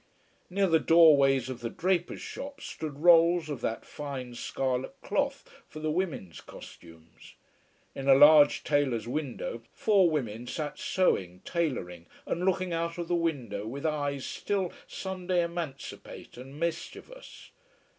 Near the doorways of the drapers' shops stood rolls of that fine scarlet cloth, for the women's costumes. In a large tailor's window four women sat sewing, tailoring, and looking out of the window with eyes still Sunday emancipate and mischievous.